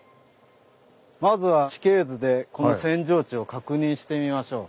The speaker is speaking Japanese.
まずは地形図でこの扇状地を確認してみましょう。